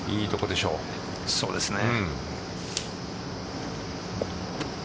そうですね。